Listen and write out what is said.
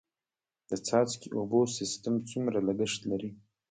د څاڅکي اوبو سیستم څومره لګښت لري؟